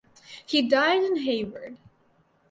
He died in Hayward.